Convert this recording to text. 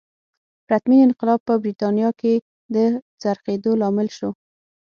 پرتمین انقلاب په برېټانیا کې د څرخېدو لامل شو.